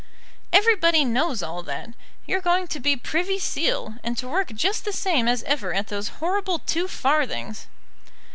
"Everybody knows all that. You're going to be Privy Seal, and to work just the same as ever at those horrible two farthings."